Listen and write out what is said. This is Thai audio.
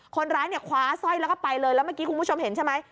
คนร้ายเนี่ยคว้าสร้อยแล้วก็ไปเลยแล้วเมื่อกี้คุณผู้ชมเห็นใช่ไหม